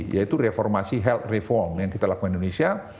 yaitu reformasi health reform yang kita lakukan di indonesia